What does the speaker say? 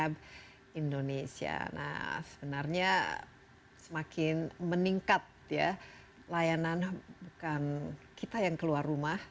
bukan kita yang keluar rumah